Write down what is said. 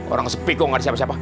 orang sepi kok nggak ada siapa siapa